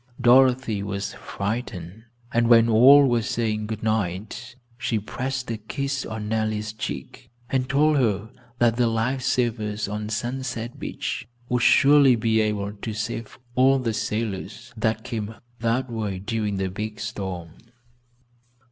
Dorothy was frightened, and when all were saying good night she pressed a kiss on Nellie's cheek, and told her that the life savers on Sunset Beach would surely be able to save all the sailors that came that way during the big storm.